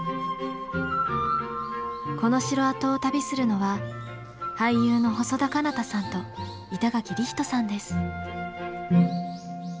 この城跡を旅するのは俳優の細田佳央太さんと板垣李光人さんです。